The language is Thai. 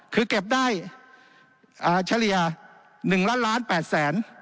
คือเก็บได้อ่าเฉลี่ยหนึ่งล้านล้านแปดแสน